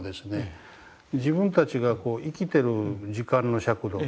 自分たちが生きてる時間の尺度